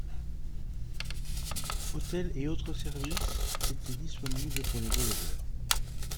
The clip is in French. Hôtels et autres services étaient disponibles pour les voyageurs.